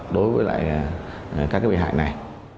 đối với lại các cái bị hại này